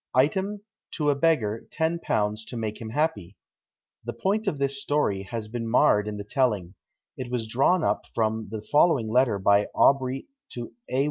Item, to a beggar ten pounds to make him happy!" The point of this story has been marred in the telling: it was drawn up from the following letter by Aubrey to A.